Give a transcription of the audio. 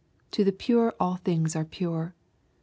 To the pure all things are pure."